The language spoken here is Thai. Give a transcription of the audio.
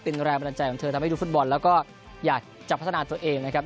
เป็นแรงบันดาลใจของเธอทำให้ดูฟุตบอลแล้วก็อยากจะพัฒนาตัวเองนะครับ